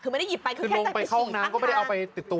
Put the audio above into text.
คือไม่ได้หยิบไปคือลงไปเข้าห้องน้ำก็ไม่ได้เอาไปติดตัว